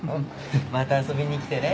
また遊びに来てね。